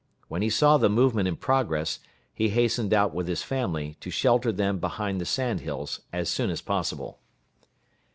When he saw the movement in progress, he hastened out with his family, to shelter them behind the sand hills as soon as possible.